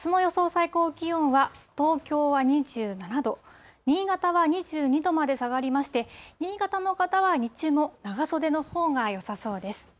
最高気温は東京は２７度、新潟は２２度まで下がりまして、新潟の方は日中も長袖のほうがよさそうです。